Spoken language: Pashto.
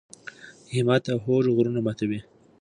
همت او هوډ غرونه ماتوي.